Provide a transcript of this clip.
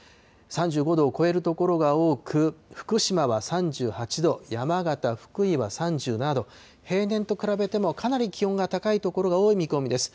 ３５度を超える所が多く、福島は３８度、山形、福井は３７度、平年と比べてもかなり気温が高い所が多い見込みです。